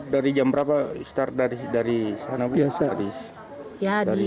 dari jam berapa start dari sana